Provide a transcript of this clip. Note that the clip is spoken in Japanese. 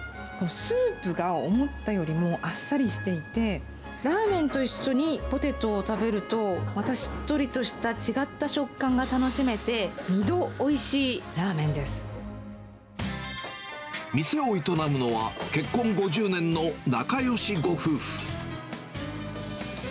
スープが思ったよりもあっさりしていて、ラーメンと一緒にポテトを食べると、またしっとりとした、違った食感が楽しめて、店を営むのは、結婚５０年の仲よしご夫婦。